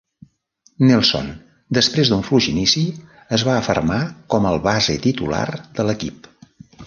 Nelson, després d'un fluix inici, es va afermar com el base titular de l'equip.